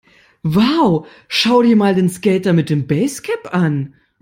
Wow, schau dir mal den Skater mit dem Basecap an!